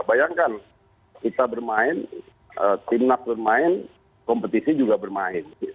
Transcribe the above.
bayangkan kita bermain tim nab bermain kompetisi juga bermain